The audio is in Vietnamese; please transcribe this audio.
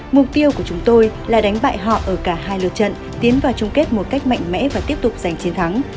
mục tiêu của chúng tôi là đánh bại họ ở cả hai lượt trận tiến vào chung kết một cách mạnh mẽ và tiếp tục giành chiến thắng